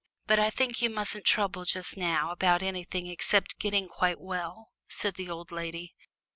But I think you mustn't trouble just now about anything except getting quite well," said the old lady.